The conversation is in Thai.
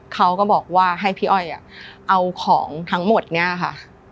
เขาก็บอกว่าให้พี่อ้อยเอาของทั้งหมดเนี่ยค่ะ